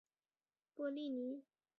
波利尼。